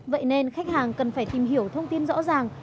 vậy nên khách hàng cần phải tìm hiểu thông tin rõ ràng